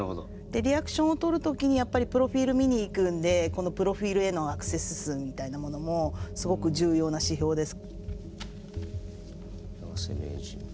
でリアクションをとる時にやっぱりプロフィール見に行くんでこのプロフィールへのアクセス数みたいなものもすごく重要な指標です。